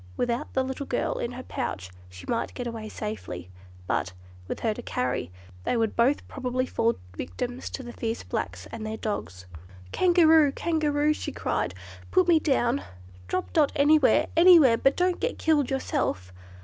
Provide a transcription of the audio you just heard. Without the little girl in her pouch, she might get away safely; but, with her to carry, they would both probably fall victims to the fierce blacks and their dogs. "Kangaroo! Kangaroo!" she cried, "put me down; drop Dot anywhere, anywhere, but don't get killed yourself!"